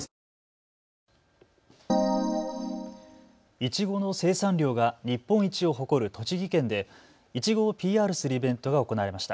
いちごの生産量が日本一を誇る栃木県でいちごをＰＲするイベントが行われました。